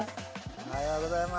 おはようございます。